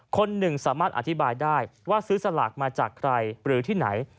คนหนึ่งสามารถอธิบายได้ว่าซื้อสลากมาจากใครหรือที่ไหน